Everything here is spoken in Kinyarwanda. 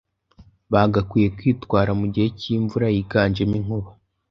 bagakwiye kwitwara mu gihe cy’imvura yiganjemo inkuba